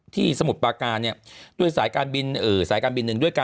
ที่สมุดปากาด้วยสายการบินหนึ่ง